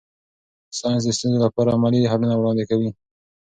ساینس د ستونزو لپاره عملي حلونه وړاندې کوي.